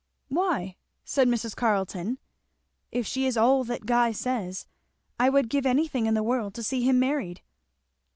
"Why?" said Mrs. Carleton. "If she is all that Guy says, I would give anything in the world to see him married."